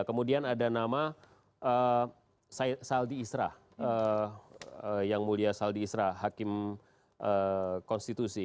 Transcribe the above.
kemudian ada nama saldi isra yang mulia saldi isra hakim konstitusi